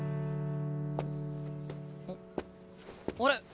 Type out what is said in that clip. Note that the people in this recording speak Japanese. あっあれ？